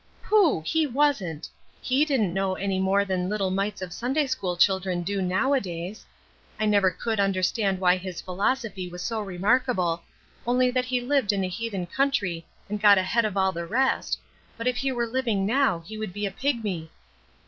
"Pooh! He wasn't. He didn't know any more than little mites of Sunday school children do nowdays. I never could understand why his philosophy was so remarkable, only that he lived in a heathen country and got ahead of all the rest, but if he were living now he would be a pigmy."